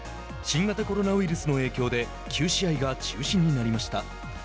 新型コロナウイルスの影響で９試合が中止になりました。